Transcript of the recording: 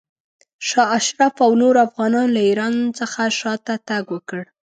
شاه اشرف او نورو افغانانو له ایران څخه شاته تګ وکړ.